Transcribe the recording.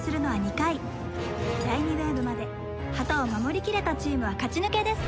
第２ウェーブまで旗を守りきれたチームは勝ち抜けです。